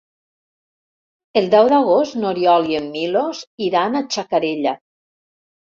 El deu d'agost n'Oriol i en Milos iran a Xacarella.